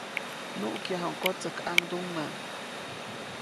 Nuʼkyajuʼuŋ kotsäjkʼaŋduŋmä.